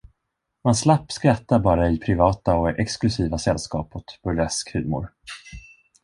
Man slapp skratta bara i privata och exklusiva sällskap åt burlesk humor.